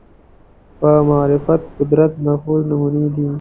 پر معرفت قدرت نفوذ نمونې دي